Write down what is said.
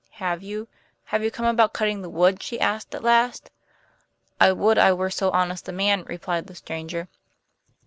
"Have you have you come about cutting the wood?" she asked at last. "I would I were so honest a man," replied the stranger.